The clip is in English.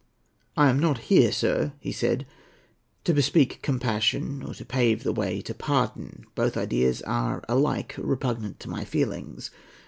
"I am not here, sir," he said, "to bespeak compassion or to pave the way to pardon. Both ideas are alike repugnant to my feelings.